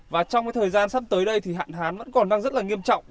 và trong cái thời gian sắp tới đây thì hạn hán vẫn còn đang rất là nghiêm trọng